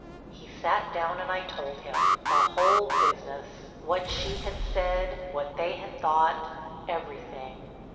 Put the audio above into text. He sat down and I told him—the whole business, what she had said, what they had thought—everything.